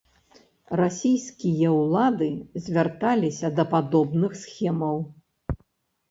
Расійскія ўлады звярталіся да падобных схемаў.